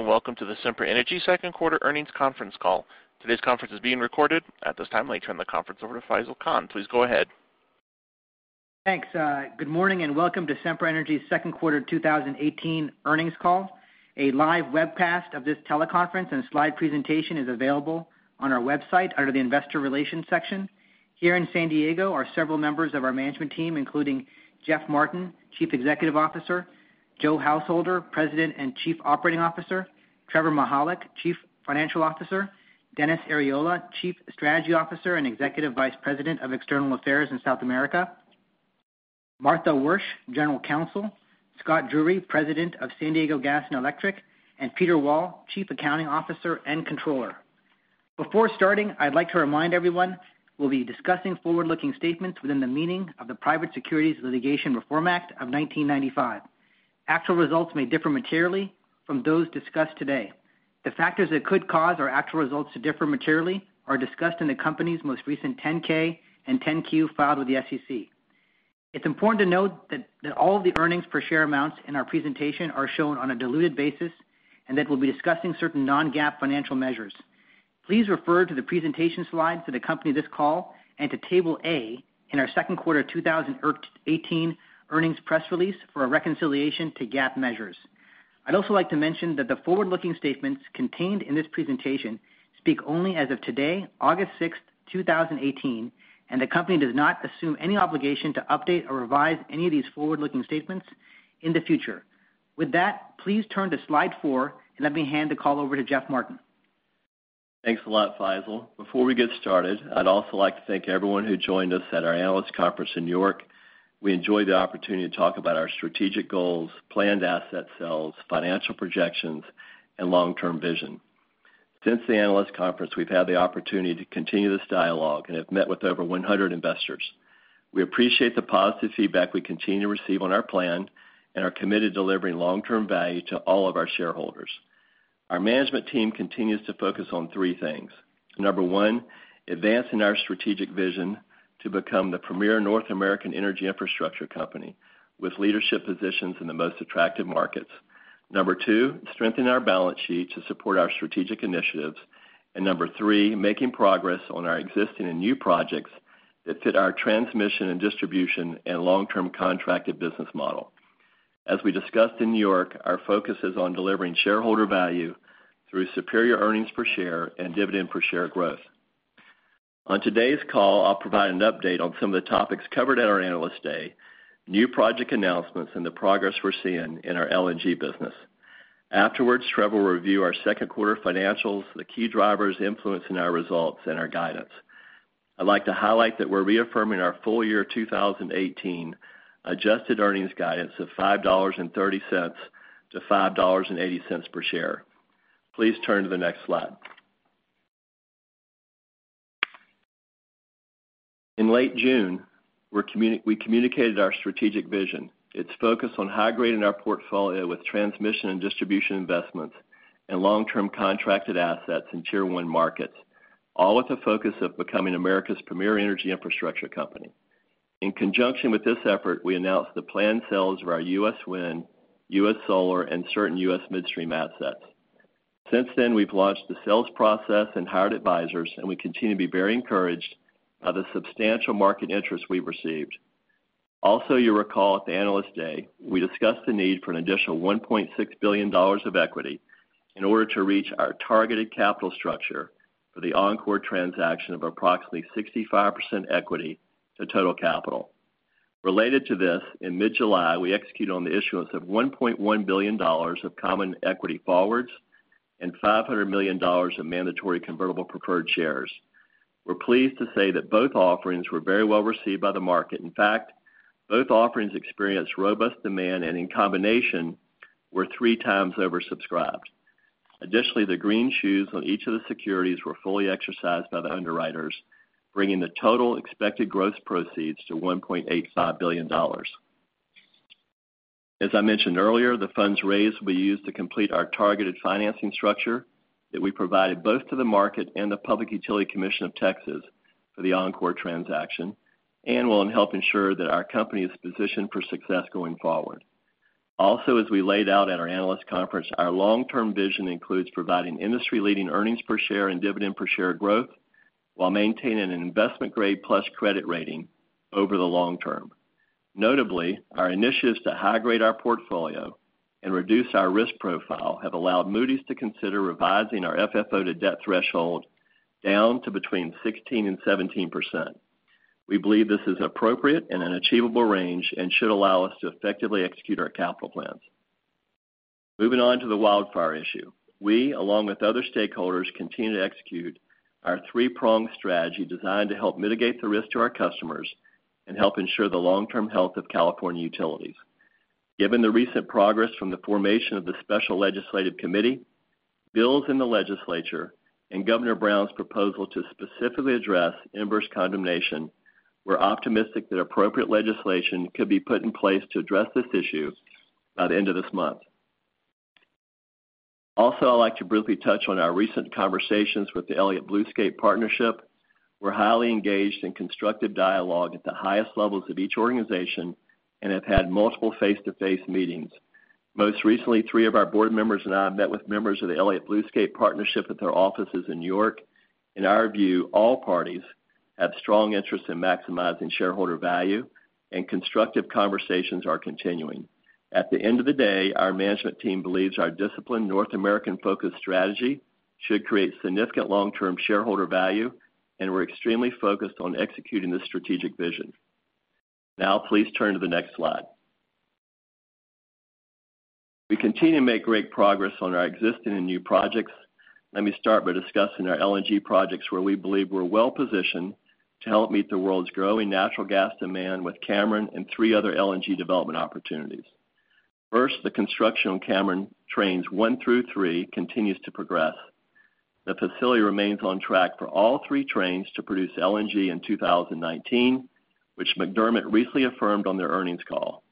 Good day, and welcome to the Sempra Energy second quarter Earnings Conference Call. Today's conference is being recorded. At this time, let me turn the conference over to Faisel Khan. Please go ahead. Thanks. Good morning, and welcome to Sempra Energy's second quarter 2018 earnings call. A live webcast of this teleconference and slide presentation is available on our website under the investor relations section. Here in San Diego are several members of our management team, including Jeff Martin, Chief Executive Officer, Joe Householder, President and Chief Operating Officer, Trevor Mihalik, Chief Financial Officer, Dennis Arriola, Chief Strategy Officer and Executive Vice President of External Affairs in South America, Martha Wyrick, General Counsel, Scott Drury, President of San Diego Gas & Electric, and Peter Wall, Chief Accounting Officer and Controller. Before starting, I'd like to remind everyone we'll be discussing forward-looking statements within the meaning of the Private Securities Litigation Reform Act of 1995. Actual results may differ materially from those discussed today. The factors that could cause our actual results to differ materially are discussed in the company's most recent 10-K and 10-Q filed with the SEC. It's important to note that all of the earnings per share amounts in our presentation are shown on a diluted basis, and that we'll be discussing certain non-GAAP financial measures. Please refer to the presentation slides that accompany this call and to Table A in our second quarter 2018 earnings press release for a reconciliation to GAAP measures. I'd also like to mention that the forward-looking statements contained in this presentation speak only as of today, August 6th, 2018, and the company does not assume any obligation to update or revise any of these forward-looking statements in the future. With that, please turn to Slide four, and let me hand the call over to Jeff Martin. Thanks a lot, Faisel. Before we get started, I'd also like to thank everyone who joined us at our analyst conference in New York. We enjoyed the opportunity to talk about our strategic goals, planned asset sales, financial projections, and long-term vision. Since the analyst conference, we've had the opportunity to continue this dialogue and have met with over 100 investors. We appreciate the positive feedback we continue to receive on our plan and are committed to delivering long-term value to all of our shareholders. Our management team continues to focus on three things. Number one, advancing our strategic vision to become the premier North American energy infrastructure company with leadership positions in the most attractive markets. Number two, strengthen our balance sheet to support our strategic initiatives. Number three, making progress on our existing and new projects that fit our transmission and distribution and long-term contracted business model. As we discussed in New York, our focus is on delivering shareholder value through superior earnings per share and dividend per share growth. On today's call, I'll provide an update on some of the topics covered at our Analyst Day, new project announcements, and the progress we're seeing in our LNG business. Afterwards, Trevor will review our second quarter financials, the key drivers influencing our results, and our guidance. I'd like to highlight that we're reaffirming our full-year 2018 adjusted earnings guidance of $5.30 to $5.80 per share. Please turn to the next slide. In late June, we communicated our strategic vision. It's focused on high-grading our portfolio with transmission and distribution investments and long-term contracted assets in Tier 1 markets, all with the focus of becoming America's premier energy infrastructure company. In conjunction with this effort, we announced the planned sales of our U.S. wind, U.S. solar, and certain U.S. midstream assets. Since then, we've launched the sales process and hired advisors, we continue to be very encouraged by the substantial market interest we've received. You'll recall at the Analyst Day, we discussed the need for an additional $1.6 billion of equity in order to reach our targeted capital structure for the Oncor transaction of approximately 65% equity to total capital. Related to this, in mid-July, we executed on the issuance of $1.1 billion of common equity forwards and $500 million of mandatory convertible preferred shares. We're pleased to say that both offerings were very well-received by the market. In fact, both offerings experienced robust demand and in combination, were three times oversubscribed. The greenshoe on each of the securities were fully exercised by the underwriters, bringing the total expected gross proceeds to $1.85 billion. I mentioned earlier, the funds raised will be used to complete our targeted financing structure that we provided both to the market and the Public Utility Commission of Texas for the Oncor transaction and will help ensure that our company is positioned for success going forward. As we laid out at our analyst conference, our long-term vision includes providing industry-leading earnings per share and dividend per share growth while maintaining an investment-grade plus credit rating over the long term. Notably, our initiatives to high-grade our portfolio and reduce our risk profile have allowed Moody's to consider revising our FFO to debt threshold down to between 16%-17%. We believe this is appropriate and an achievable range and should allow us to effectively execute our capital plans. Moving on to the wildfire issue. We, along with other stakeholders, continue to execute our three-pronged strategy designed to help mitigate the risk to our customers and help ensure the long-term health of California utilities. Given the recent progress from the formation of the special legislative committee, bills in the legislature, and Governor Brown's proposal to specifically address inverse condemnation, we're optimistic that appropriate legislation could be put in place to address this issue by the end of this month. I'd like to briefly touch on our recent conversations with the Elliott BlueScape Partnership. We're highly engaged in constructive dialogue at the highest levels of each organization and have had multiple face-to-face meetings. Most recently, three of our board members and I met with members of the Elliott BlueScape Partnership at their offices in New York. In our view, all parties have strong interest in maximizing shareholder value, and constructive conversations are continuing. At the end of the day, our management team believes our disciplined North American-focused strategy should create significant long-term shareholder value. We're extremely focused on executing this strategic vision. Please turn to the next slide. We continue to make great progress on our existing and new projects. Let me start by discussing our LNG projects, where we believe we're well-positioned to help meet the world's growing natural gas demand with Cameron and three other LNG development opportunities. First, the construction on Cameron Trains One through Three continues to progress. The facility remains on track for all three trains to produce LNG in 2019, which McDermott recently affirmed on their earnings call.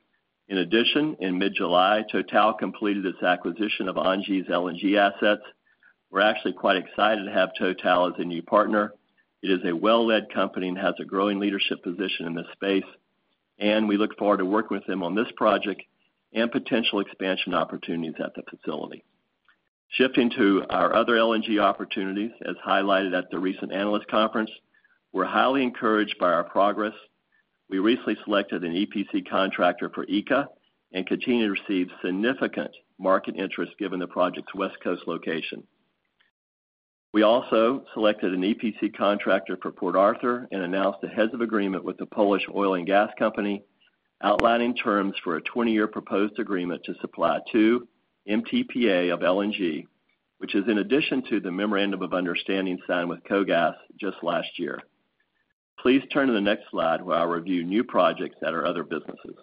In addition, in mid-July, Total completed its acquisition of Engie's LNG assets. We're actually quite excited to have Total as a new partner. It is a well-led company and has a growing leadership position in this space. We look forward to working with them on this project and potential expansion opportunities at the facility. Shifting to our other LNG opportunities, as highlighted at the recent analyst conference, we're highly encouraged by our progress. We recently selected an EPC contractor for ECA and continue to receive significant market interest given the project's West Coast location. We also selected an EPC contractor for Port Arthur and announced the Heads of Agreement with the Polish oil and gas company, outlining terms for a 20-year proposed agreement to supply 2 MTPA of LNG, which is in addition to the memorandum of understanding signed with KOGAS just last year. Please turn to the next slide where I'll review new projects at our other businesses.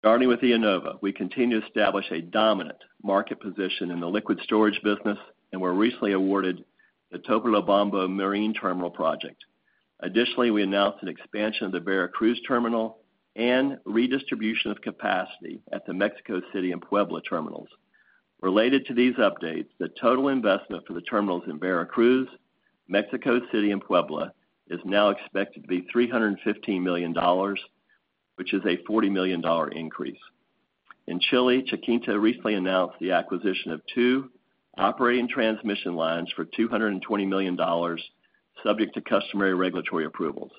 Starting with IEnova, we continue to establish a dominant market position in the liquid storage business. We were recently awarded the Topolobampo Marine Terminal project. Additionally, we announced an expansion of the Veracruz terminal and redistribution of capacity at the Mexico City and Puebla terminals. Related to these updates, the total investment for the terminals in Veracruz, Mexico City, and Puebla is now expected to be $315 million, which is a $40 million increase. In Chile, Chilquinta recently announced the acquisition of two operating transmission lines for $220 million, subject to customary regulatory approvals.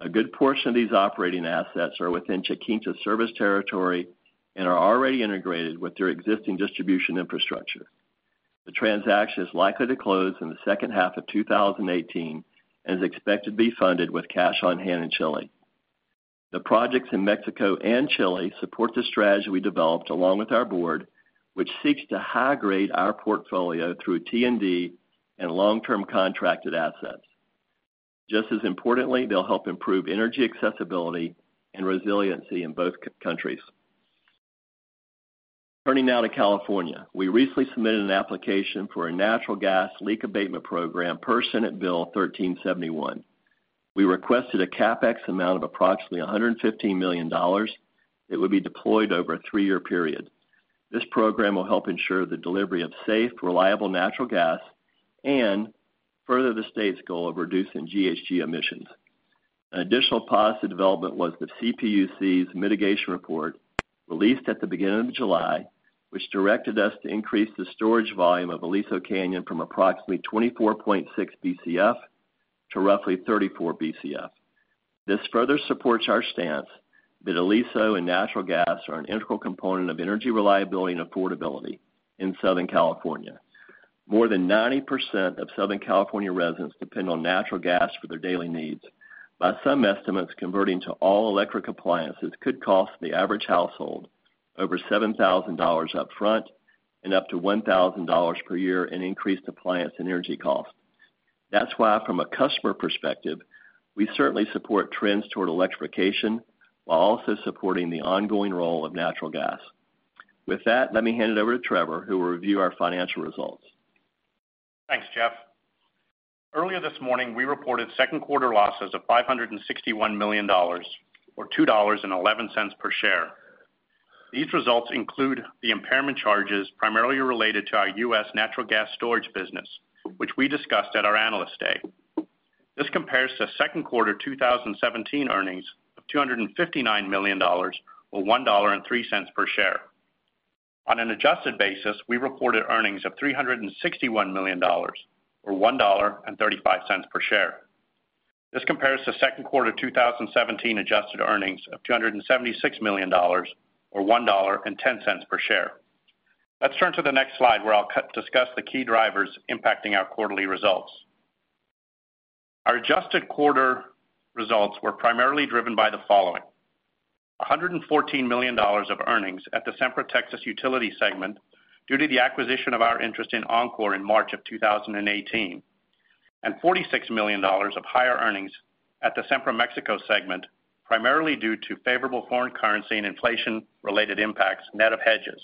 A good portion of these operating assets are within Chilquinta's service territory and are already integrated with their existing distribution infrastructure. The transaction is likely to close in the second half of 2018 and is expected to be funded with cash on hand in Chile. The projects in Mexico and Chile support the strategy we developed along with our board, which seeks to high-grade our portfolio through T&D and long-term contracted assets. Just as importantly, they'll help improve energy accessibility and resiliency in both countries. Turning now to California. We recently submitted an application for a natural gas leak abatement program per Senate Bill 1371. We requested a CapEx amount of approximately $115 million. It would be deployed over a three-year period. This program will help ensure the delivery of safe, reliable natural gas and further the state's goal of reducing GHG emissions. An additional positive development was the CPUC's mitigation report, released at the beginning of July, which directed us to increase the storage volume of Aliso Canyon from approximately 24.6 BCF to roughly 34 BCF. This further supports our stance that Aliso and natural gas are an integral component of energy reliability and affordability in Southern California. More than 90% of Southern California residents depend on natural gas for their daily needs. By some estimates, converting to all-electric appliances could cost the average household over $7,000 up front and up to $1,000 per year in increased appliance and energy costs. That's why, from a customer perspective, we certainly support trends toward electrification while also supporting the ongoing role of natural gas. With that, let me hand it over to Trevor, who will review our financial results. Thanks, Jeff. Earlier this morning, we reported second quarter losses of $561 million, or $2.11 per share. These results include the impairment charges primarily related to our U.S. natural gas storage business, which we discussed at our Analyst Day. This compares to second quarter 2017 earnings of $259 million, or $1.03 per share. On an adjusted basis, we reported earnings of $361 million, or $1.35 per share. This compares to second quarter 2017 adjusted earnings of $276 million, or $1.10 per share. Let's turn to the next slide, where I'll discuss the key drivers impacting our quarterly results. Our adjusted quarter results were primarily driven by the following: $114 million of earnings at the Sempra Texas Utilities segment due to the acquisition of our interest in Oncor in March of 2018, and $46 million of higher earnings at the Sempra Mexico segment, primarily due to favorable foreign currency and inflation-related impacts, net of hedges.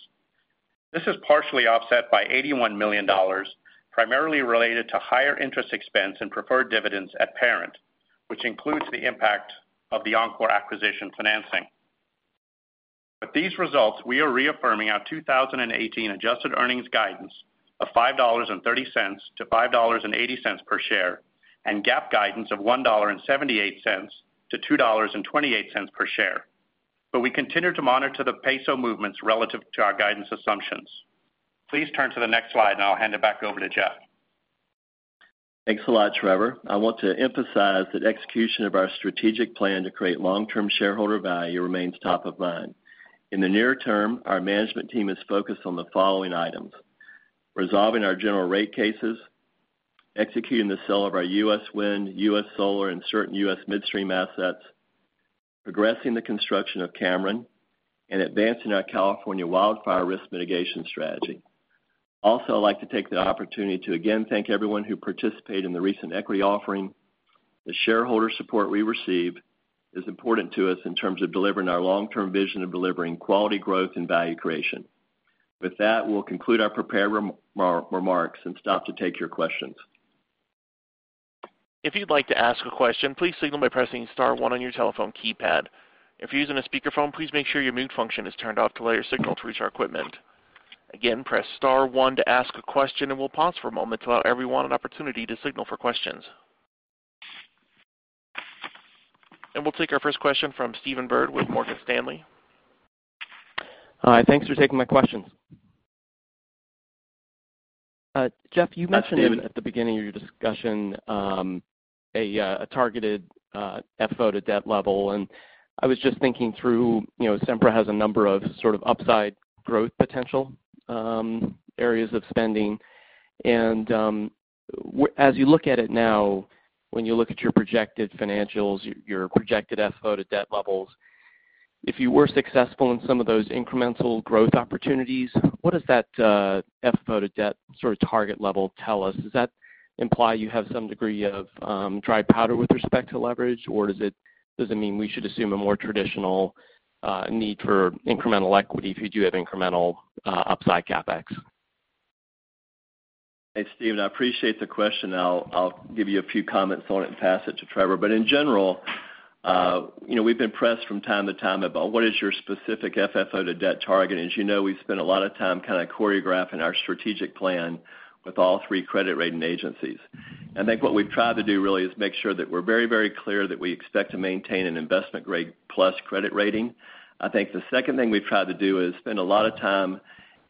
This is partially offset by $81 million, primarily related to higher interest expense and preferred dividends at Parent, which includes the impact of the Oncor acquisition financing. With these results, we are reaffirming our 2018 adjusted earnings guidance of $5.30-$5.80 per share and GAAP guidance of $1.78-$2.28 per share. We continue to monitor the peso movements relative to our guidance assumptions. Please turn to the next slide and I'll hand it back over to Jeff. Thanks a lot, Trevor. I want to emphasize that execution of our strategic plan to create long-term shareholder value remains top of mind. In the near term, our management team is focused on the following items: resolving our general rate cases, executing the sale of our U.S. wind, U.S. solar, and certain U.S. midstream assets, progressing the construction of Cameron, and advancing our California wildfire risk mitigation strategy. Also, I'd like to take the opportunity to, again, thank everyone who participated in the recent equity offering. The shareholder support we received is important to us in terms of delivering our long-term vision of delivering quality growth and value creation. With that, we'll conclude our prepared remarks and stop to take your questions. If you'd like to ask a question, please signal by pressing star 1 on your telephone keypad. If you're using a speakerphone, please make sure your mute function is turned off to allow your signal to reach our equipment. Again, press star 1 to ask a question. We'll pause for a moment to allow everyone an opportunity to signal for questions. We'll take our first question from Stephen Byrd with Morgan Stanley. Hi. Thanks for taking my questions. Jeff, you mentioned at the beginning of your discussion, a targeted FFO to debt level. I was just thinking through, Sempra has a number of sort of upside growth potential areas of spending. As you look at it now, when you look at your projected financials, your projected FFO to debt levels, if you were successful in some of those incremental growth opportunities, what does that FFO to debt sort of target level tell us? Does that imply you have some degree of dry powder with respect to leverage, or does it mean we should assume a more traditional need for incremental equity if you do have incremental upside CapEx? Hey, Stephen. I appreciate the question. I'll give you a few comments on it and pass it to Trevor. In general, we've been pressed from time to time about what is your specific FFO to debt target? As you know, we've spent a lot of time kind of choreographing our strategic plan with all three credit rating agencies. I think what we've tried to do really is make sure that we're very clear that we expect to maintain an investment-grade plus credit rating. I think the second thing we've tried to do is spend a lot of time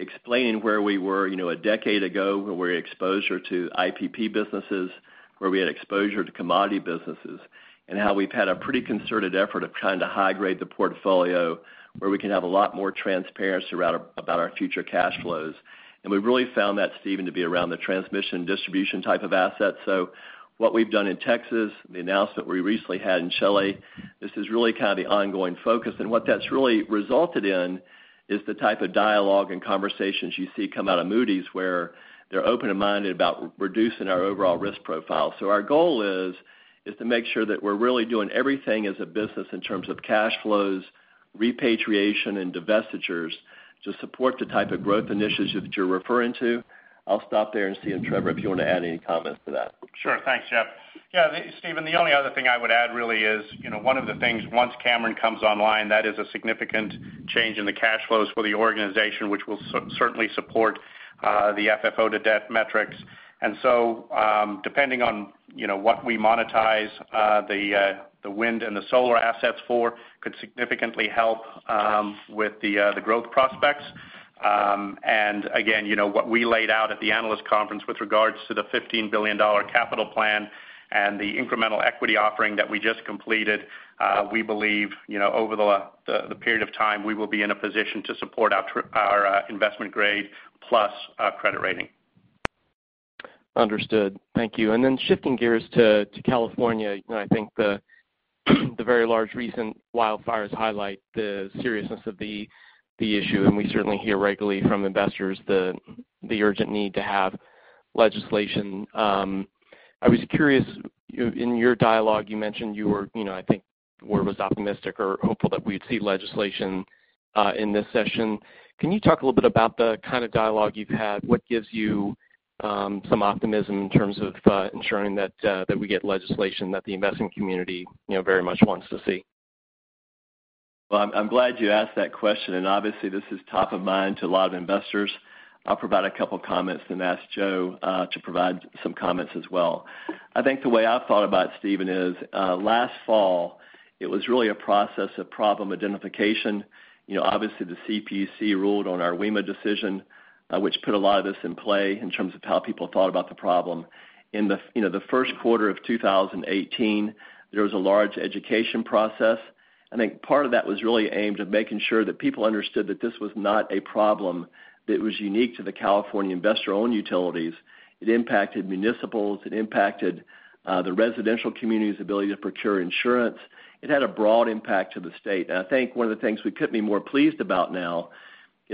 explaining where we were a decade ago, where we were exposure to IPP businesses, where we had exposure to commodity businesses, and how we've had a pretty concerted effort of trying to high-grade the portfolio where we can have a lot more transparency about our future cash flows. We've really found that, Stephen, to be around the transmission distribution type of assets. What we've done in Texas, the announcement we recently had in Chile, this is really kind of the ongoing focus. What that's really resulted in is the type of dialogue and conversations you see come out of Moody's, where they're open-minded about reducing our overall risk profile. Our goal is to make sure that we're really doing everything as a business in terms of cash flows, repatriation, and divestitures to support the type of growth initiatives that you're referring to. I'll stop there and see if, Trevor, if you want to add any comments to that. Sure. Thanks, Jeff. Stephen, the only other thing I would add really is, one of the things, once Cameron comes online, that is a significant change in the cash flows for the organization, which will certainly support the FFO to debt metrics. Depending on what we monetize the wind and the solar assets for could significantly help with the growth prospects. Again, what we laid out at the analyst conference with regards to the $15 billion capital plan and the incremental equity offering that we just completed, we believe, over the period of time, we will be in a position to support our investment grade plus credit rating. Understood. Thank you. Shifting gears to California, I think the very large recent wildfires highlight the seriousness of the issue, and we certainly hear regularly from investors the urgent need to have legislation. I was curious, in your dialogue, you mentioned you were, I think the word was optimistic or hopeful that we'd see legislation in this session. Can you talk a little bit about the kind of dialogue you've had? What gives you some optimism in terms of ensuring that we get legislation that the investing community very much wants to see? Well, I'm glad you asked that question, and obviously, this is top of mind to a lot of investors. I'll provide a couple comments and ask Joe to provide some comments as well. I think the way I've thought about it, Stephen, is last fall it was really a process of problem identification. Obviously, the CPUC ruled on our WEMA decision, which put a lot of this in play in terms of how people thought about the problem. In the first quarter of 2018, there was a large education process. I think part of that was really aimed at making sure that people understood that this was not a problem that was unique to the California Investor-Owned Utilities. It impacted municipals. It impacted the residential community's ability to procure insurance. It had a broad impact to the state. I think one of the things we couldn't be more pleased about now is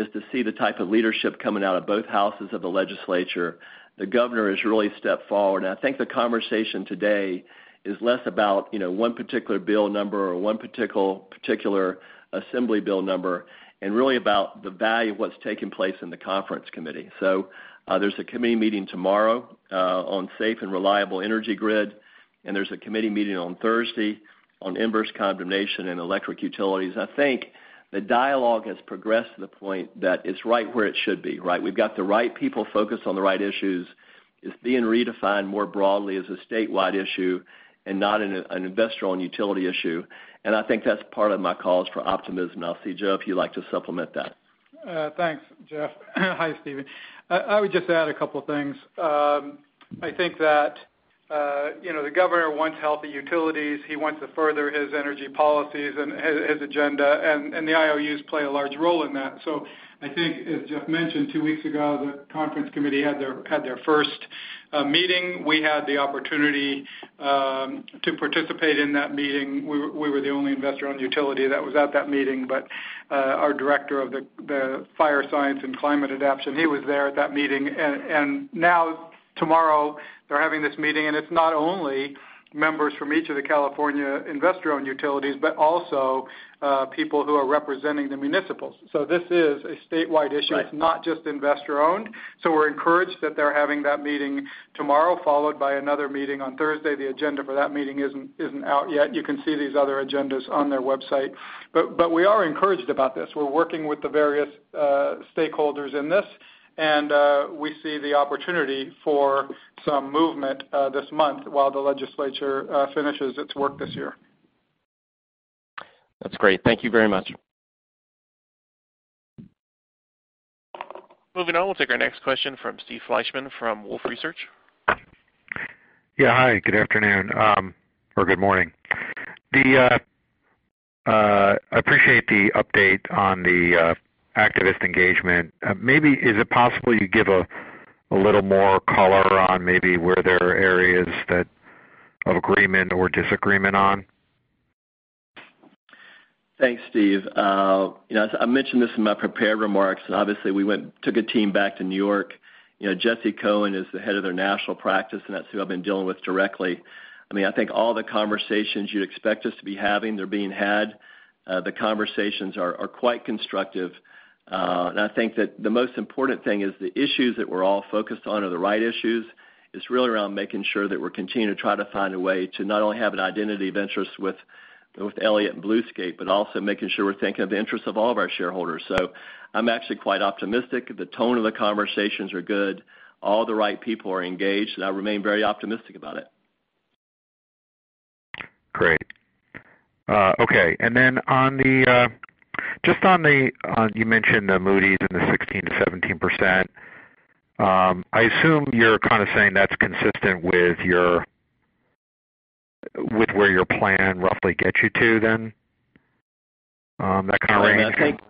to see the type of leadership coming out of both houses of the legislature. The governor has really stepped forward, and I think the conversation today is less about one particular bill number or one particular assembly bill number and really about the value of what's taking place in the conference committee. There's a committee meeting tomorrow on safe and reliable energy grid, and there's a committee meeting on Thursday on inverse condemnation and electric utilities. I think the dialogue has progressed to the point that it's right where it should be, right? We've got the right people focused on the right issues. It is being redefined more broadly as a statewide issue and not an Investor-Owned Utility issue. I think that's part of my calls for optimism. I'll see, Joe, if you'd like to supplement that. Thanks, Jeff. Hi, Stephen. I would just add a couple of things. I think that the Governor wants healthy utilities. He wants to further his energy policies and his agenda, and the IOUs play a large role in that. I think as Jeff mentioned, two weeks ago, the conference committee had their first meeting. We had the opportunity to participate in that meeting. We were the only Investor-Owned Utility that was at that meeting, but our director of the fire science and climate adaptation, he was there at that meeting. Now tomorrow they're having this meeting, and it's not only members from each of the California Investor-Owned Utilities, but also people who are representing the municipals. This is a statewide issue- Right it's not just investor-owned. We're encouraged that they're having that meeting tomorrow, followed by another meeting on Thursday. The agenda for that meeting isn't out yet. You can see these other agendas on their website. We are encouraged about this. We're working with the various stakeholders in this, and we see the opportunity for some movement this month while the legislature finishes its work this year. That's great. Thank you very much. Moving on, we'll take our next question from Steve Fleishman from Wolfe Research. Yeah. Hi, good afternoon. Or good morning. I appreciate the update on the activist engagement. Maybe is it possible you give a little more color on maybe were there areas that of agreement or disagreement on? Thanks, Steve. I mentioned this in my prepared remarks. Obviously, we took a team back to New York. Jesse Cohn is the head of their national practice, and that's who I've been dealing with directly. I think all the conversations you'd expect us to be having, they're being had. The conversations are quite constructive. I think that the most important thing is the issues that we're all focused on are the right issues. It's really around making sure that we're continuing to try to find a way to not only have an identity of interest with Elliott and Bluescape, but also making sure we're thinking of the interests of all of our shareholders. I'm actually quite optimistic. The tone of the conversations are good. All the right people are engaged, and I remain very optimistic about it. Great. Okay. You mentioned Moody's in the 16%-17%. I assume you're kind of saying that's consistent with where your plan roughly gets you to then? That kind of range.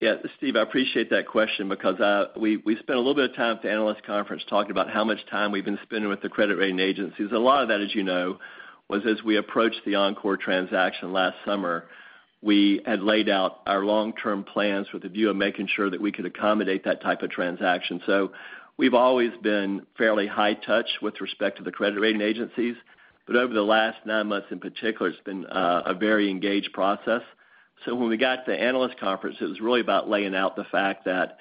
Yeah. Steve, I appreciate that question because we spent a little bit of time at the analyst conference talking about how much time we've been spending with the credit rating agencies. A lot of that, as you know, was as we approached the Oncor transaction last summer, we had laid out our long-term plans with a view of making sure that we could accommodate that type of transaction. We've always been fairly high touch with respect to the credit rating agencies. Over the last nine months in particular, it's been a very engaged process. When we got to the analyst conference, it was really about laying out the fact that,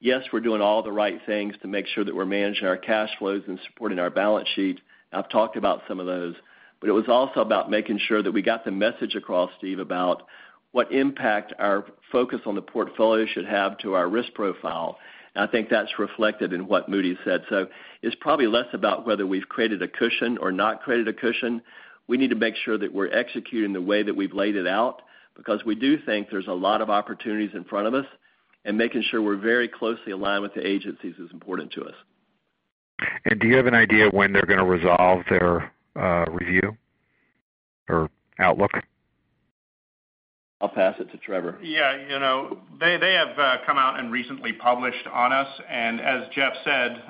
yes, we're doing all the right things to make sure that we're managing our cash flows and supporting our balance sheet. I've talked about some of those, but it was also about making sure that we got the message across, Steve, about what impact our focus on the portfolio should have to our risk profile. I think that's reflected in what Moody's said. It's probably less about whether we've created a cushion or not created a cushion. We need to make sure that we're executing the way that we've laid it out because we do think there's a lot of opportunities in front of us, and making sure we're very closely aligned with the agencies is important to us. Do you have an idea when they're going to resolve their review or outlook? I'll pass it to Trevor. Yeah. They have come out and recently published on us, as Jeff said,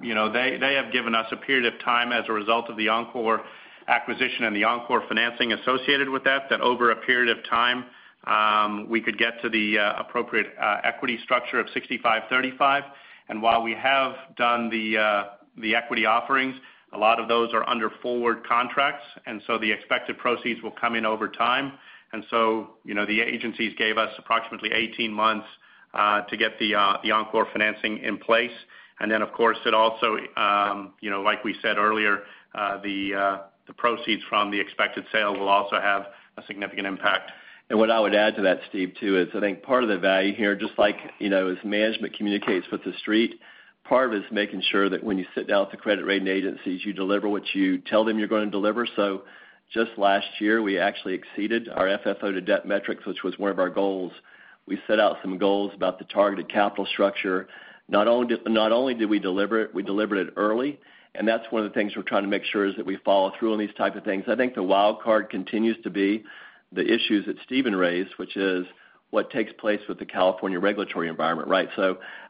they have given us a period of time as a result of the Oncor acquisition and the Oncor financing associated with that over a period of time, we could get to the appropriate equity structure of 65-35. While we have done the equity offerings, a lot of those are under forward contracts, so the expected proceeds will come in over time. The agencies gave us approximately 18 months to get the Oncor financing in place. Of course, it also, like we said earlier, the proceeds from the expected sale will also have a significant impact. What I would add to that, Steve, too, is I think part of the value here, just like as management communicates with the Street, part of it's making sure that when you sit down with the credit rating agencies, you deliver what you tell them you're going to deliver. Just last year, we actually exceeded our FFO to debt metrics, which was one of our goals. We set out some goals about the targeted capital structure. Not only did we deliver it, we delivered it early, and that's one of the things we're trying to make sure is that we follow through on these type of things. I think the wild card continues to be the issues that Stephen raised, which is what takes place with the California regulatory environment, right?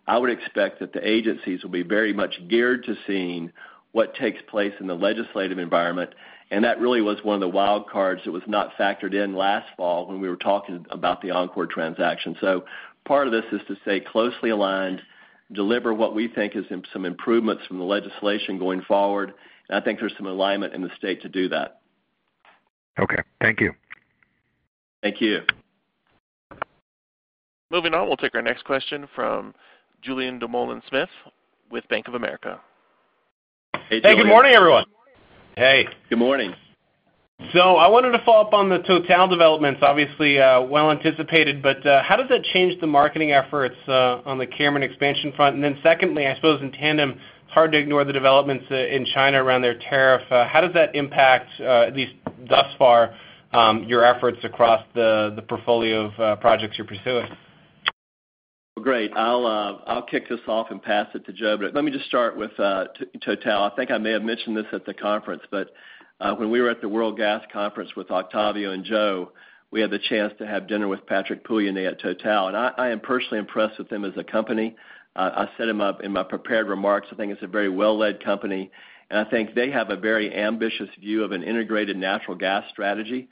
I would expect that the agencies will be very much geared to seeing what takes place in the legislative environment, that really was one of the wild cards that was not factored in last fall when we were talking about the Oncor transaction. Part of this is to stay closely aligned, deliver what we think is some improvements from the legislation going forward. I think there's some alignment in the state to do that. Okay. Thank you. Thank you. Moving on, we'll take our next question from Julien Dumoulin-Smith with Bank of America. Hey, good morning, everyone. Hey. Good morning. I wanted to follow up on the Total developments, obviously well anticipated, how does that change the marketing efforts on the Cameron expansion front? Secondly, I suppose, in tandem, hard to ignore the developments in China around their tariff. How does that impact, at least thus far, your efforts across the portfolio of projects you're pursuing? Great. I'll kick this off and pass it to Joe, let me just start with Total. I think I may have mentioned this at the conference, when we were at the World Gas Conference with Octávio and Joe, we had the chance to have dinner with Patrick Pouyanné at Total, I am personally impressed with them as a company. I set them up in my prepared remarks. I think it's a very well-led company, I think they have a very ambitious view of an integrated natural gas strategy.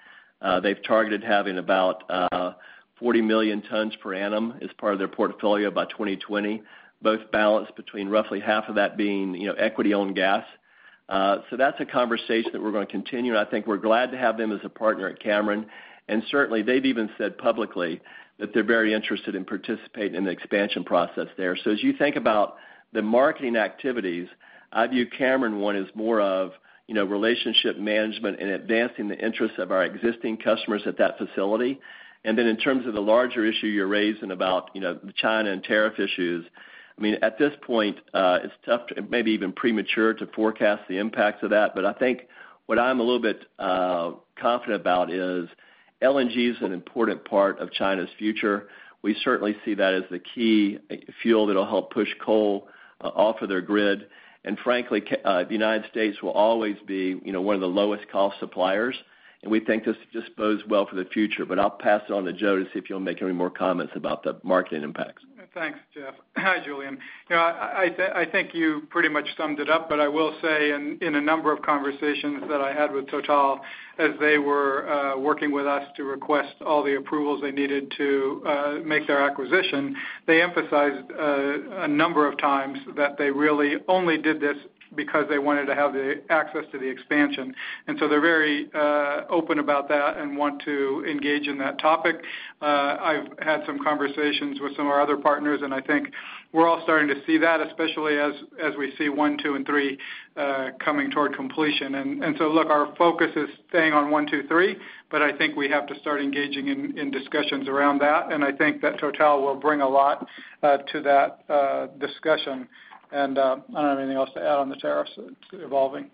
They've targeted having about 40 million tons per annum as part of their portfolio by 2020, both balanced between roughly half of that being equity-owned gas. That's a conversation that we're going to continue, I think we're glad to have them as a partner at Cameron. Certainly, they've even said publicly that they're very interested in participating in the expansion process there. As you think about the marketing activities, I view Cameron one as more of relationship management and advancing the interests of our existing customers at that facility. In terms of the larger issue you're raising about the China and tariff issues, at this point, it's tough, maybe even premature to forecast the impacts of that. I think what I'm a little bit confident about is LNG is an important part of China's future. We certainly see that as the key fuel that'll help push coal off of their grid. Frankly, the U.S. will always be one of the lowest-cost suppliers, we think this bodes well for the future. I'll pass it on to Joe to see if you'll make any more comments about the marketing impacts. Thanks, Jeff. Hi, Julien. I think you pretty much summed it up, but I will say in a number of conversations that I had with Total, as they were working with us to request all the approvals they needed to make their acquisition, they emphasized a number of times that they really only did this because they wanted to have the access to the expansion. They're very open about that and want to engage in that topic. I've had some conversations with some of our other partners, and I think we're all starting to see that, especially as we see one, two, and three coming toward completion. Look, our focus is staying on one, two, three, but I think we have to start engaging in discussions around that, and I think that Total will bring a lot to that discussion. I don't have anything else to add on the tariffs. It's evolving.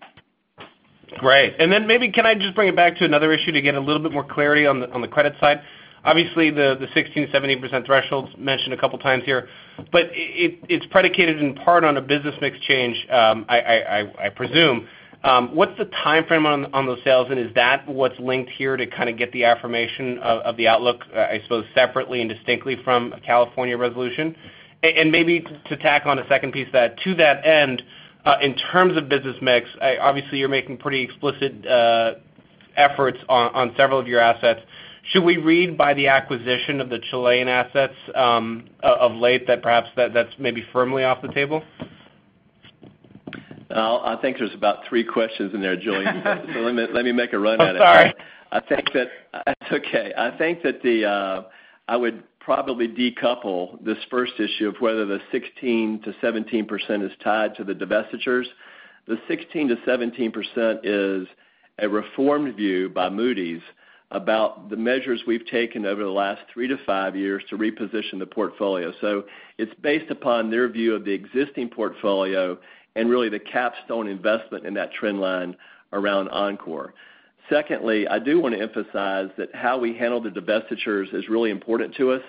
Great. Maybe, can I just bring it back to another issue to get a little bit more clarity on the credit side? Obviously, the 16%-17% threshold's mentioned a couple of times here, but it's predicated in part on a business mix change, I presume. What's the timeframe on those sales, and is that what's linked here to kind of get the affirmation of the outlook, I suppose, separately and distinctly from a California resolution? Maybe to tack on a second piece to that end, in terms of business mix, obviously you're making pretty explicit efforts on several of your assets. Should we read by the acquisition of the Chilean assets of late that perhaps that's maybe firmly off the table? I think there's about three questions in there, Julien, let me make a run at it. Oh, sorry. That's okay. I think that I would probably decouple this first issue of whether the 16%-17% is tied to the divestitures. The 16%-17% is a reformed view by Moody's about the measures we've taken over the last three to five years to reposition the portfolio. It's based upon their view of the existing portfolio and really the capstone investment in that trend line around Oncor. I do want to emphasize that how we handle the divestitures is really important to us.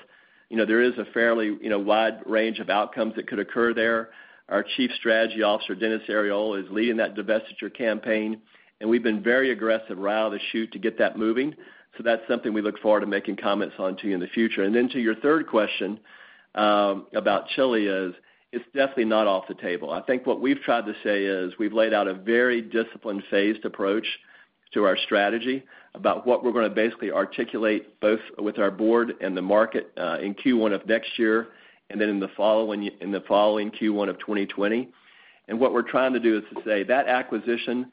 There is a fairly wide range of outcomes that could occur there. Our Chief Strategy Officer, Dennis Arriola, is leading that divestiture campaign, and we've been very aggressive right out of the chute to get that moving. That's something we look forward to making comments on to you in the future. To your third question about Chile is, it's definitely not off the table. I think what we've tried to say is we've laid out a very disciplined, phased approach to our strategy about what we're going to basically articulate both with our board and the market in Q1 of next year, in the following Q1 of 2020. What we're trying to do is to say that acquisition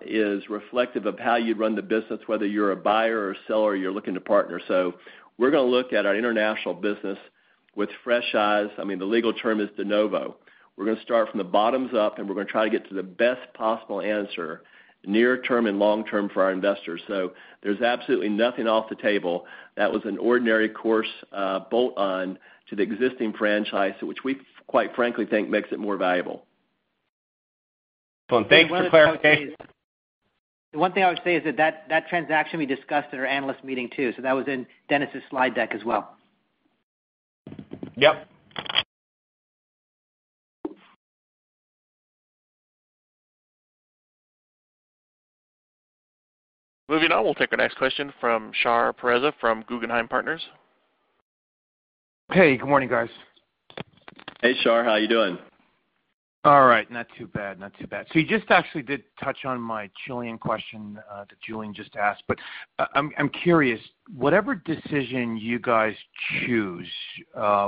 is reflective of how you'd run the business, whether you're a buyer or seller, you're looking to partner. We're going to look at our international business with fresh eyes. The legal term is de novo. We're going to start from the bottoms up, and we're going to try to get to the best possible answer, near term and long term for our investors. There's absolutely nothing off the table that was an ordinary course bolt-on to the existing franchise, which we quite frankly think makes it more valuable. Thanks for clarifying. One thing I would say is. One thing I would say is that transaction we discussed at our analyst meeting, too. That was in Dennis's slide deck as well. Yep. Moving on, we'll take our next question from Shahriar Pourreza from Guggenheim Partners. Hey, good morning, guys. Hey, Shar. How are you doing? All right. Not too bad. You just actually did touch on my Chilean question that Julien just asked, but I'm curious, whatever decision you guys choose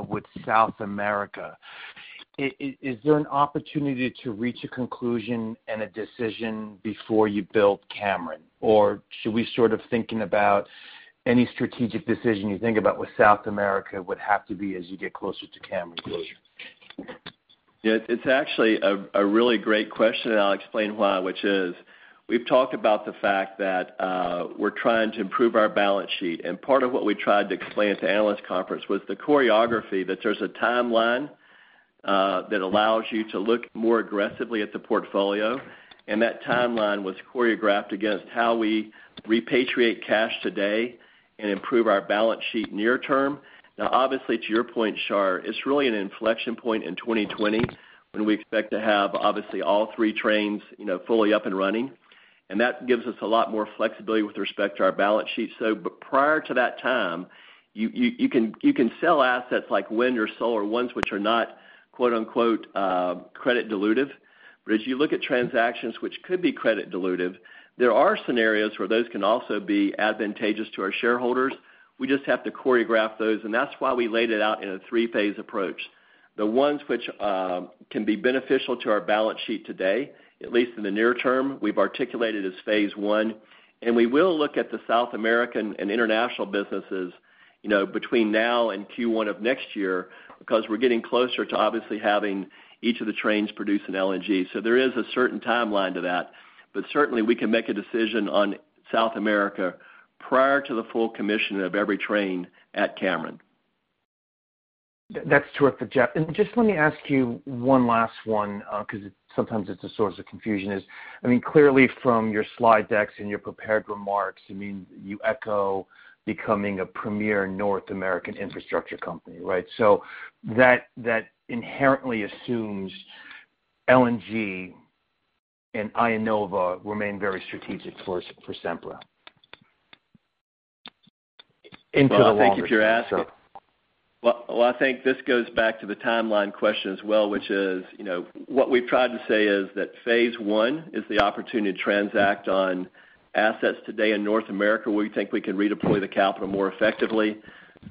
with South America, is there an opportunity to reach a conclusion and a decision before you build Cameron? Should we sort of think about any strategic decision you think about with South America would have to be as you get closer to Cameron closure? Yeah. It's actually a really great question, and I'll explain why, which is, we've talked about the fact that we're trying to improve our balance sheet, and part of what we tried to explain at the analyst conference was the choreography, that there's a timeline that allows you to look more aggressively at the portfolio. That timeline was choreographed against how we repatriate cash today and improve our balance sheet near term. Obviously, to your point, Shar, it's really an inflection point in 2020 when we expect to have, obviously, all three trains fully up and running. That gives us a lot more flexibility with respect to our balance sheet. Prior to that time, you can sell assets like wind or solar, ones which are not "credit dilutive." As you look at transactions which could be credit dilutive, there are scenarios where those can also be advantageous to our shareholders. We just have to choreograph those, and that's why we laid it out in a three-phase approach. The ones which can be beneficial to our balance sheet today, at least in the near term, we've articulated as phase one, and we will look at the South American and international businesses between now and Q1 of next year because we're getting closer to obviously having each of the trains produce an LNG. There is a certain timeline to that. Certainly, we can make a decision on South America prior to the full commission of every train at Cameron. That's terrific, Jeff. Just let me ask you one last one, because sometimes it's a source of confusion is, clearly from your slide decks and your prepared remarks, you echo becoming a premier North American infrastructure company, right? That inherently assumes LNG and IEnova remain very strategic for Sempra into the longer term. Well, I thank you for asking. Well, I think this goes back to the timeline question as well, which is, what we've tried to say is that phase one is the opportunity to transact on assets today in North America, where we think we can redeploy the capital more effectively.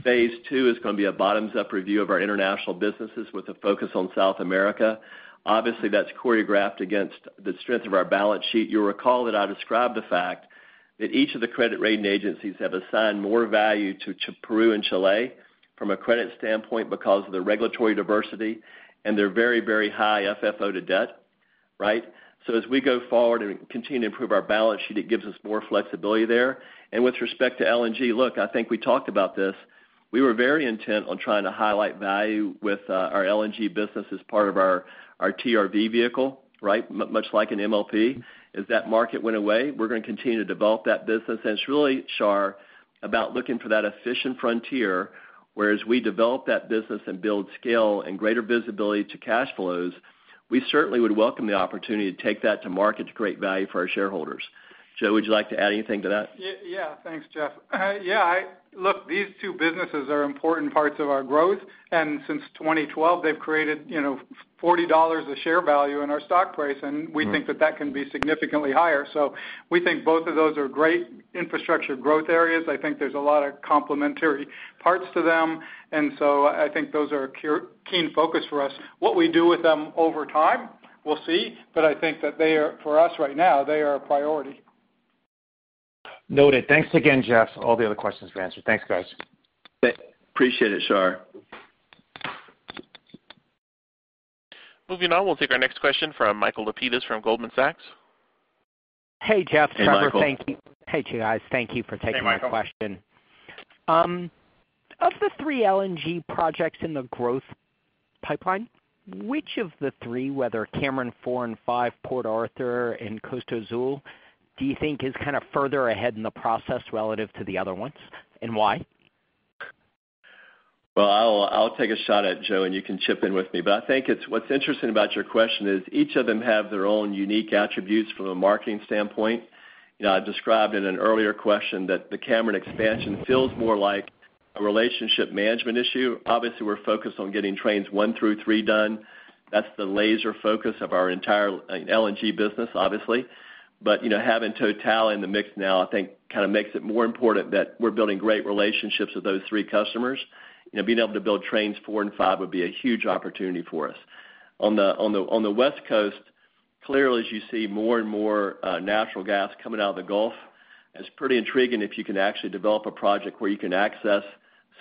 Phase two is going to be a bottoms-up review of our international businesses with a focus on South America. Obviously, that's choreographed against the strength of our balance sheet. You'll recall that I described the fact that each of the credit rating agencies have assigned more value to Peru and Chile from a credit standpoint because of the regulatory diversity and their very, very high FFO to debt. Right? As we go forward and continue to improve our balance sheet, it gives us more flexibility there. With respect to LNG, look, I think we talked about this. We were very intent on trying to highlight value with our LNG business as part of our TRV vehicle, right? Much like an MLP. As that market went away, we're going to continue to develop that business, and it's really, Shar, about looking for that efficient frontier, where as we develop that business and build scale and greater visibility to cash flows, we certainly would welcome the opportunity to take that to market to create value for our shareholders. Joe, would you like to add anything to that? Thanks, Jeff. Look, these two businesses are important parts of our growth. Since 2012, they've created $40 of share value in our stock price, and we think that that can be significantly higher. We think both of those are great infrastructure growth areas. I think there's a lot of complementary parts to them, and so I think those are a keen focus for us. What we do with them over time, we'll see, but I think that they are, for us right now, they are a priority. Noted. Thanks again, Jeff, for all the other questions were answered. Thanks, guys. Appreciate it, Shar. Moving on, we'll take our next question from Michael Lapides from Goldman Sachs. Hey, Jeff, Trevor. Hey, Michael. Hey, two guys. Thank you for taking my question. Hey, Michael. Of the three LNG projects in the growth pipeline, which of the three, whether Cameron 4 and 5, Port Arthur, and Costa Azul, do you think is kind of further ahead in the process relative to the other ones? Why? I'll take a shot at it, Joe, and you can chip in with me. I think what's interesting about your question is each of them have their own unique attributes from a marketing standpoint. I described in an earlier question that the Cameron expansion feels more like a relationship management issue. Obviously, we're focused on getting trains 1 through 3 done. That's the laser focus of our entire LNG business, obviously. Having Total in the mix now, I think kind of makes it more important that we're building great relationships with those 3 customers. Being able to build trains 4 and 5 would be a huge opportunity for us. On the West Coast, clearly, as you see more and more natural gas coming out of the Gulf, it's pretty intriguing if you can actually develop a project where you can access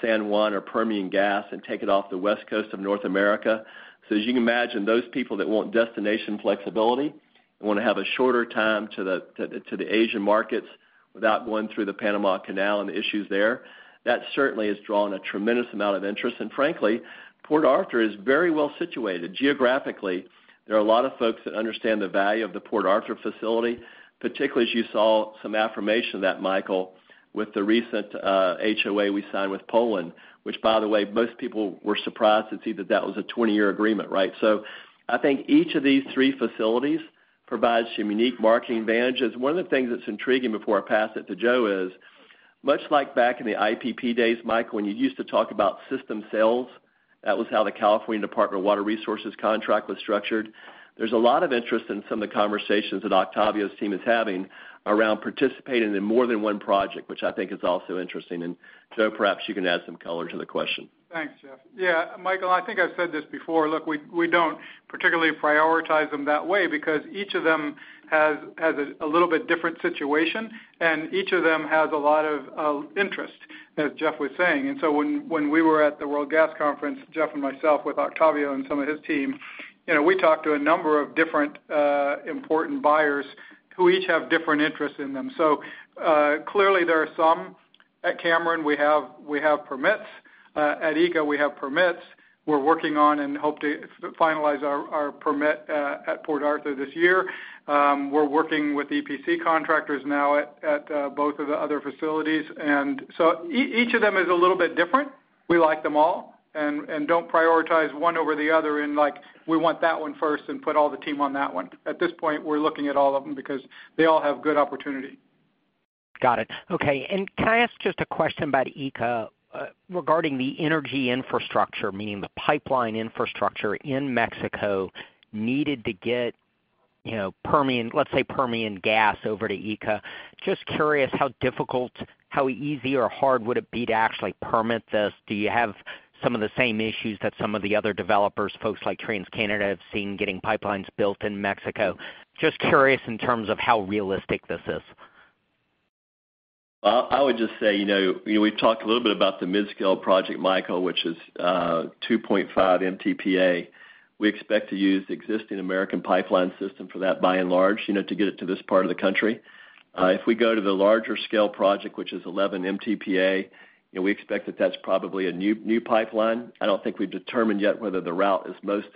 San Juan or Permian gas and take it off the West Coast of North America. As you can imagine, those people that want destination flexibility and want to have a shorter time to the Asian markets without going through the Panama Canal and the issues there, that certainly has drawn a tremendous amount of interest. Frankly, Port Arthur is very well-situated geographically. There are a lot of folks that understand the value of the Port Arthur facility, particularly as you saw some affirmation of that, Michael, with the recent HOA we signed with Poland, which, by the way, most people were surprised to see that that was a 20-year agreement, right? I think each of these 3 facilities provides some unique marketing advantages. One of the things that's intriguing before I pass it to Joe is, much like back in the IPP days, Michael, when you used to talk about system sales, that was how the California Department of Water Resources contract was structured. There's a lot of interest in some of the conversations that Octávio's team is having around participating in more than 1 project, which I think is also interesting. Joe, perhaps you can add some color to the question. Thanks, Jeff. Yeah, Michael, I think I've said this before. Look, we don't particularly prioritize them that way because each of them has a little bit different situation, and each of them has a lot of interest, as Jeff was saying. When we were at the World Gas Conference, Jeff and myself with Octávio and some of his team, we talked to a number of different important buyers who each have different interests in them. Clearly there are some at Cameron we have permits. At ECA we have permits we're working on and hope to finalize our permit at Port Arthur this year. We're working with EPC contractors now at both of the other facilities. Each of them is a little bit different. We like them all and don't prioritize one over the other in like, "We want that one first," and put all the team on that one. At this point, we're looking at all of them because they all have good opportunity. Got it. Okay, can I ask just a question about ECA regarding the energy infrastructure, meaning the pipeline infrastructure in Mexico needed to get Permian gas over to ECA? Just curious how easy or hard would it be to actually permit this. Do you have some of the same issues that some of the other developers, folks like TransCanada, have seen getting pipelines built in Mexico? Just curious in terms of how realistic this is. Well, I would just say, we've talked a little bit about the mid-scale project, Michael, which is 2.5 MTPA. We expect to use the existing American pipeline system for that by and large to get it to this part of the country. If we go to the larger scale project, which is 11 MTPA, we expect that that's probably a new pipeline. I don't think we've determined yet whether the route is most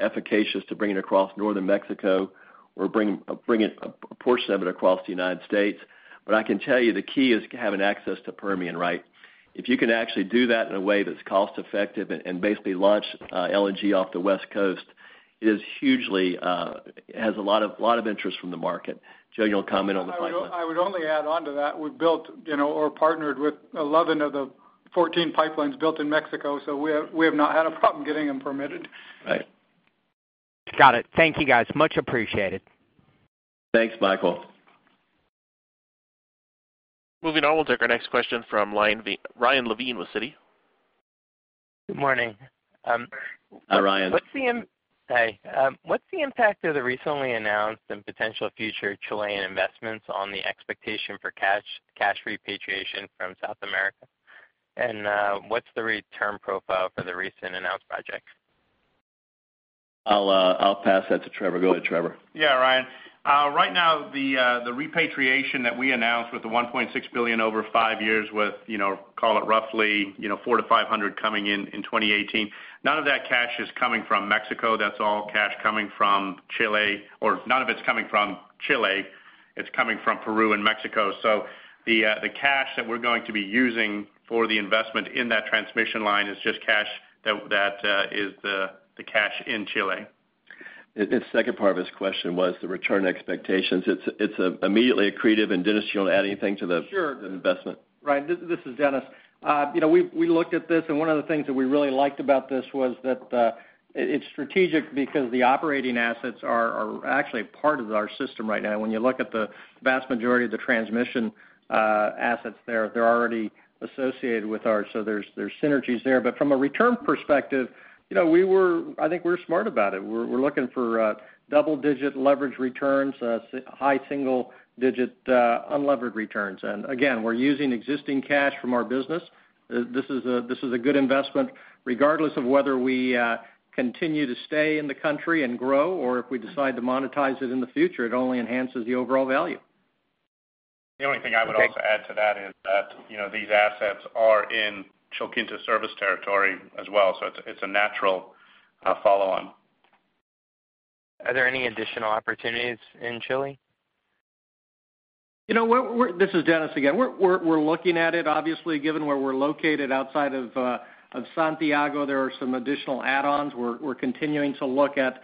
efficacious to bring it across northern Mexico or bring a portion of it across the United States. I can tell you the key is having access to Permian. If you can actually do that in a way that's cost effective and basically launch LNG off the West Coast, it hugely has a lot of interest from the market. Joe, you'll comment on the pipeline. I would only add on to that, we've built or partnered with 11 of the 14 pipelines built in Mexico, so we have not had a problem getting them permitted. Right. Got it. Thank you, guys. Much appreciated. Thanks, Michael. Moving on, we'll take our next question from Ryan Levine with Citi. Good morning. Hi, Ryan. Hi. What's the impact of the recently announced and potential future Chilean investments on the expectation for cash repatriation from South America? What's the return profile for the recent announced project? I'll pass that to Trevor. Go ahead, Trevor. Ryan. Right now, the repatriation that we announced with the $1.6 billion over five years with call it roughly $400 million-$500 million coming in in 2018, none of that cash is coming from Mexico. That's all cash coming from Chile, or none of it's coming from Chile. It's coming from Peru and Mexico. The cash that we're going to be using for the investment in that transmission line is just cash that is the cash in Chile. The second part of his question was the return expectations. It's immediately accretive. Dennis, you want to add anything? Sure The investment? Ryan, this is Dennis. One of the things that we really liked about this was that it's strategic because the operating assets are actually a part of our system right now. When you look at the vast majority of the transmission assets there, they're already associated with ours, so there's synergies there. From a return perspective, I think we're smart about it. We're looking for double-digit leverage returns, high single-digit unlevered returns. Again, we're using existing cash from our business. This is a good investment regardless of whether we continue to stay in the country and grow or if we decide to monetize it in the future. It only enhances the overall value. The only thing I would also add to that is that these assets are in Chilquinta service territory as well, so it's a natural follow-on. Are there any additional opportunities in Chile? This is Dennis again. We're looking at it, obviously, given where we're located outside of Santiago. There are some additional add-ons. We're continuing to look at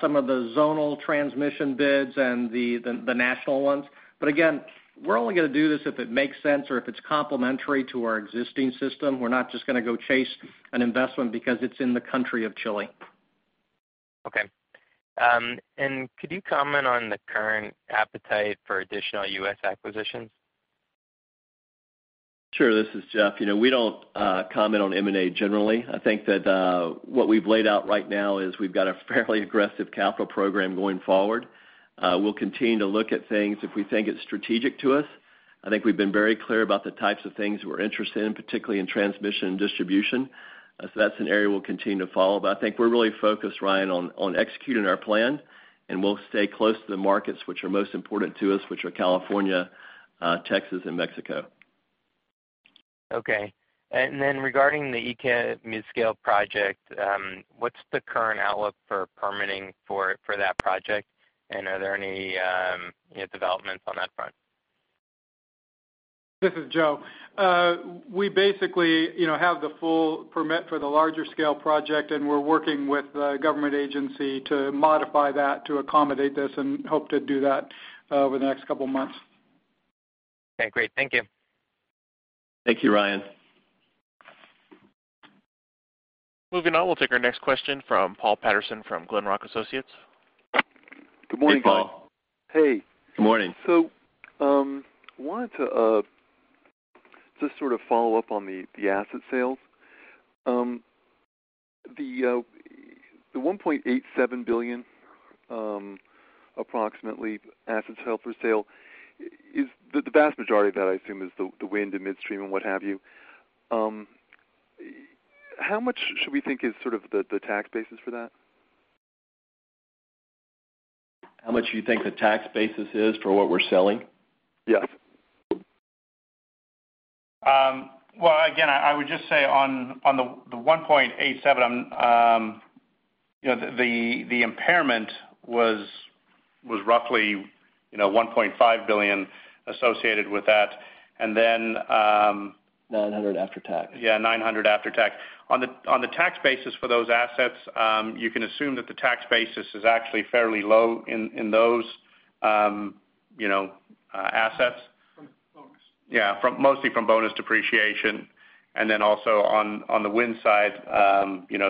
some of the zonal transmission bids and the national ones. Again, we're only going to do this if it makes sense or if it's complementary to our existing system. We're not just going to go chase an investment because it's in the country of Chile. Okay. Could you comment on the current appetite for additional U.S. acquisitions? Sure. This is Jeff. We don't comment on M&A generally. I think that what we've laid out right now is we've got a fairly aggressive capital program going forward. We'll continue to look at things if we think it's strategic to us. I think we've been very clear about the types of things we're interested in, particularly in transmission and distribution. That's an area we'll continue to follow. I think we're really focused, Ryan, on executing our plan, and we'll stay close to the markets which are most important to us, which are California, Texas, and Mexico. Okay. Regarding the ECA mid-scale project, what's the current outlook for permitting for that project? Are there any developments on that front? This is Joe. We basically have the full permit for the larger scale project. We're working with a government agency to modify that to accommodate this. Hope to do that over the next couple of months. Okay, great. Thank you. Thank you, Ryan. Moving on, we'll take our next question from Paul Patterson from Glenrock Associates. Good morning. Hey, Paul. Hey. Good morning. I wanted to just sort of follow up on the asset sales. The $1.87 billion approximately assets held for sale, the vast majority of that I assume is the wind and midstream and what have you. How much should we think is the tax basis for that? How much do you think the tax basis is for what we're selling? Yes. Again, I would just say on the $1.87, the impairment was roughly $1.5 billion associated with that. $900 after-tax. Yeah, $900 after-tax. On the tax basis for those assets, you can assume that the tax basis is actually fairly low in those assets. From bonus. Yeah, mostly from bonus depreciation. Also on the wind side,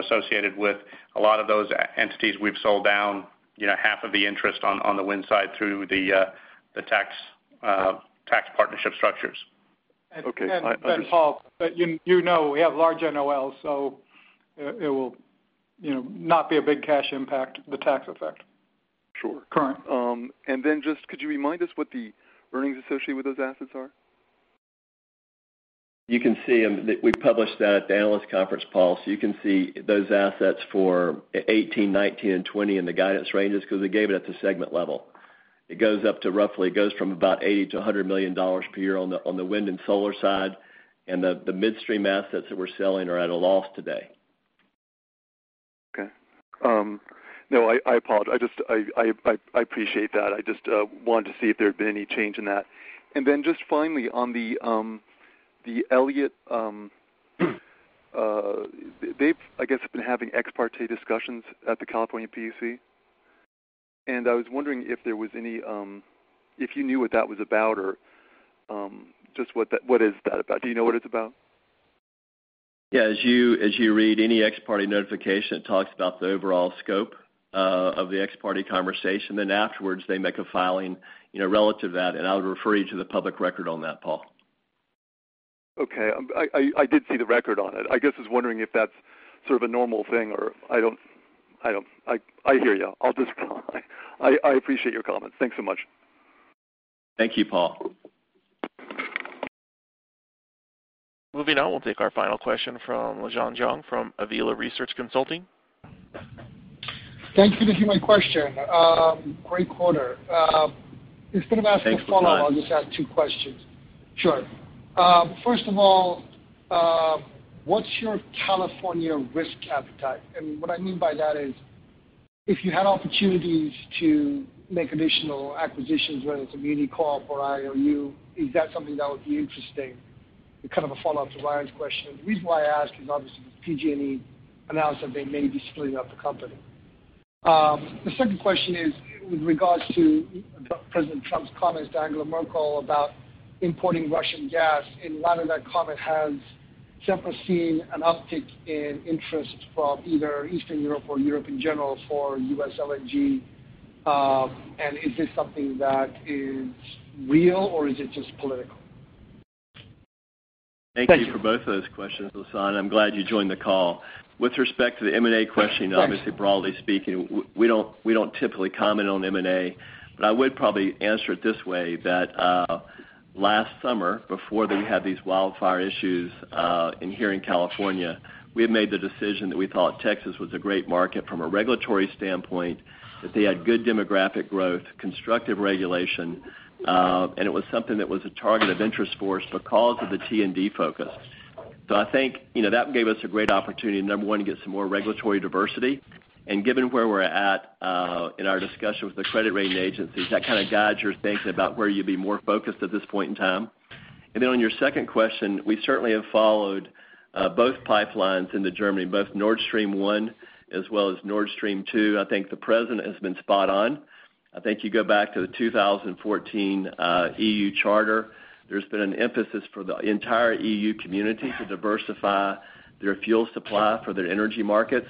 associated with a lot of those entities we've sold down, half of the interest on the wind side through the tax partnership structures. Okay. Paul, you know we have large NOL, so it will not be a big cash impact, the tax effect. Sure. Current. Just could you remind us what the earnings associated with those assets are? You can see, and we published that at the analyst conference, Paul, so you can see those assets for 2018, 2019, and 2020 in the guidance ranges because they gave it at the segment level. It goes up to roughly, it goes from about $80 million-$100 million per year on the wind and solar side. The midstream assets that we're selling are at a loss today. Okay. No, I apologize. I appreciate that. I just wanted to see if there had been any change in that. Just finally on the Elliott, they've, I guess, been having ex parte discussions at the California PUC, and I was wondering if you knew what that was about or just what is that about? Do you know what it's about? Yeah, as you read any ex parte notification, it talks about the overall scope of the ex parte conversation. Afterwards they make a filing relative to that, and I would refer you to the public record on that, Paul. Okay. I did see the record on it. I guess I was wondering if that's sort of a normal thing or I hear you. I'll just appreciate your comment. Thanks so much. Thank you, Paul. Moving on, we'll take our final question from Lasan Johng from Avila Research and Consulting. Thank you for taking my question. Great quarter. Thanks for the kind- Instead of asking a follow-up, I'll just ask two questions. Sure. First of all, what's your California risk appetite? What I mean by that is, if you had opportunities to make additional acquisitions, whether it's a muni corp or IOU, is that something that would be interesting? Kind of a follow-up to Ryan's question. The reason why I ask is obviously with PG&E announced that they may be splitting up the company. The second question is with regards to President Trump's comments to Angela Merkel about importing Russian gas. In light of that comment, has Sempra seen an uptick in interest from either Eastern Europe or Europe in general for U.S. LNG? Is this something that is real or is it just political? Thank you for both those questions, Lasan. I am glad you joined the call. With respect to the M&A question, obviously broadly speaking, we do not typically comment on M&A, but I would probably answer it this way, that last summer, before we had these wildfire issues here in California, we had made the decision that we thought Texas was a great market from a regulatory standpoint, that they had good demographic growth, constructive regulation, and it was something that was a target of interest for us because of the T&D focus. So I think that gave us a great opportunity, number 1, to get some more regulatory diversity. And given where we are at in our discussion with the credit rating agencies, that kind of guides your thinking about where you would be more focused at this point in time. On your second question, we certainly have followed both pipelines into Germany, both Nord Stream 1 as well as Nord Stream 2. I think the President has been spot on. I think you go back to the 2014 EU charter, there has been an emphasis for the entire EU community to diversify their fuel supply for their energy markets.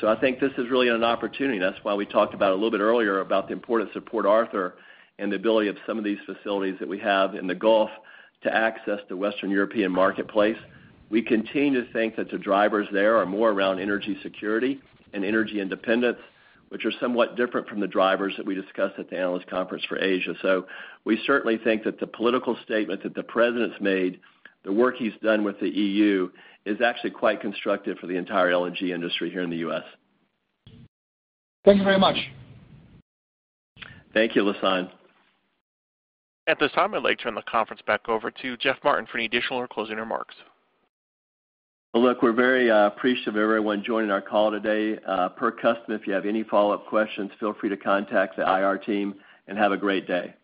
So I think this is really an opportunity. That is why we talked about it a little bit earlier about the importance of Port Arthur and the ability of some of these facilities that we have in the Gulf to access the Western European marketplace. We continue to think that the drivers there are more around energy security and energy independence, which are somewhat different from the drivers that we discussed at the analyst conference for Asia. We certainly think that the political statement that the President has made, the work he has done with the EU, is actually quite constructive for the entire LNG industry here in the U.S. Thank you very much. Thank you, Lasan. At this time, I'd like to turn the conference back over to Jeff Martin for any additional or closing remarks. Well, look, we're very appreciative of everyone joining our call today. Per custom, if you have any follow-up questions, feel free to contact the IR team and have a great day.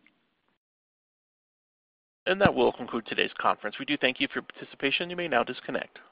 That will conclude today's conference. We do thank you for your participation. You may now disconnect.